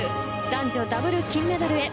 男女ダブル金メダルへ